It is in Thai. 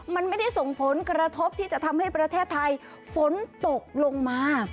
มันไม่ได้ส่งผลกระทบที่จะทำให้ประเทศไทยฝนตกลงมา